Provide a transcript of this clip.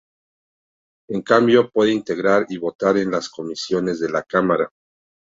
En cambio, puede integrar y votar en las comisiones de la Cámara.